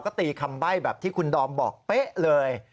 ก็ตีคำใบ้แบบที่คุณดอมบอกเป๊ะเลย